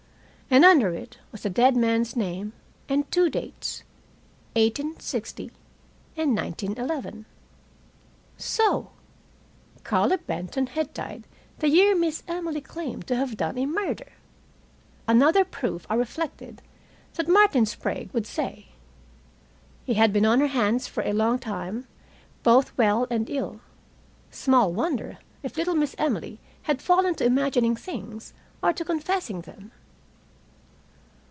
And under it was the dead man's name and two dates, 1860 and 1911. So Carlo Benton had died the year Miss Emily claimed to have done a murder! Another proof, I reflected that Martin Sprague would say. He had been on her hands for a long time, both well and ill. Small wonder if little Miss Emily had fallen to imagining things, or to confessing them.